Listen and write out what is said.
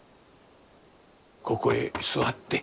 ここへ座って。